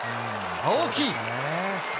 青木。